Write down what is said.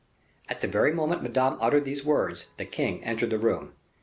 At the very moment Madame uttered these words the king entered the room.